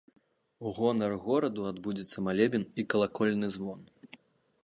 У гонар гораду адбудзецца малебен і калакольны звон.